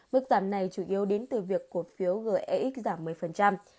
mức giảm này chủ yếu đến từ việc cuộc phiếu gex giảm một mươi